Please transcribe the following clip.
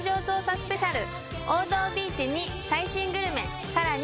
スペシャル王道ビーチに最新グルメさらに